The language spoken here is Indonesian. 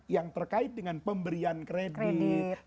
yang terkait dengan pemberian kredit